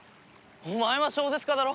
お前は小説家だろ。